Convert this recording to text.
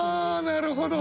なるほど。